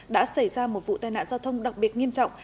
đã xảy ra một vụ tai nạn giao thông đặc biệt nghiêm trọng